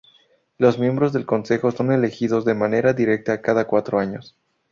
Los miembros del consejo son elegidos de manera directa cada cuatro años.